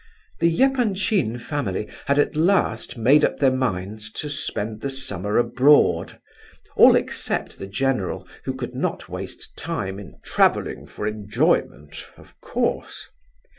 The Epanchin family had at last made up their minds to spend the summer abroad, all except the general, who could not waste time in "travelling for enjoyment," of course.